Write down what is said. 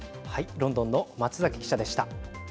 ロンドンの松崎記者でした。